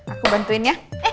aku bantuin ya